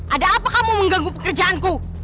ada apa kamu mengganggu pekerjaanku